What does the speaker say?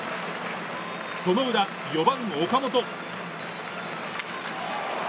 その裏、４番、岡本。